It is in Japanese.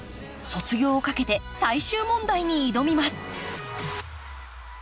卒業をかけて最終問題に挑みます。